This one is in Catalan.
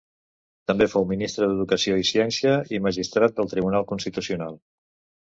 També fou ministre d'Educació i Ciència i magistrat del Tribunal Constitucional.